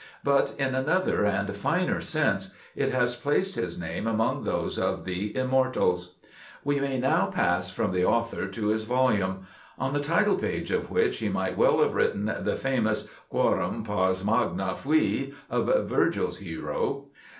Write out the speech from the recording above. But, in another and finer sense, it has placed his name among those of the Immortals. We may now pass from the author to his volume, on the title page of which he might well have written the famous quorum pars magna fui of Virgil's hero.